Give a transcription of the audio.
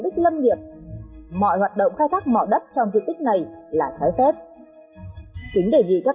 ích lâm nghiệp mọi hoạt động khai thác mỏ đất trong diện tích này là trái phép kính đề nghị các